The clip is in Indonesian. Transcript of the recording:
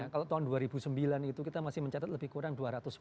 kalau tahun dua ribu sembilan itu kita masih mencatat lebih kurang dua ratus sepuluh